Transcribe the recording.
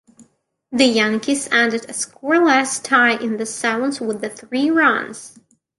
The Yankees ended a scoreless tie in the seventh with three runs.